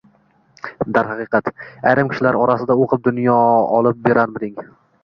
Darhiqiqat, ayrim kishilar orasida O`qib, dunyo olib berarmiding